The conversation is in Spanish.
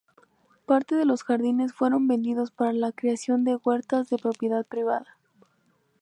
Parte de los jardines fueron vendidos para la creación de huertas de propiedad privada.